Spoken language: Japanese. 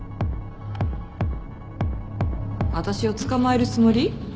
私を捕まえるつもり？